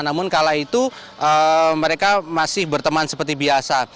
namun kala itu mereka masih berteman seperti biasa